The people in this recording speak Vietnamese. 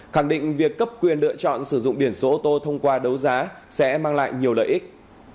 khẳng định việc cấp quyền lựa chọn sử dụng biển số ô tô thông qua đấu giá sẽ mang lại nhiều lợi ích